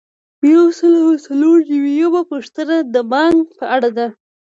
یو سل او څلور نوي یمه پوښتنه د بانک په اړه ده.